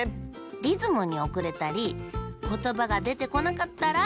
リズムにおくれたりことばがでてこなかったらまけよ。